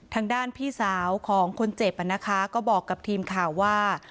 ทางด้านพี่สาวของคนเจ็บนะคะก็บอกกับทีมข่าวว่า